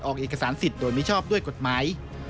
ออกเอกสารสิทธิ์โดยมิชอบด้วยกฎหมาย